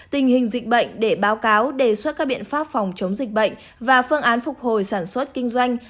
tình hình dịch bệnh để báo cáo đề xuất các biện pháp phòng chống dịch bệnh và phương án phục hồi sản xuất kinh doanh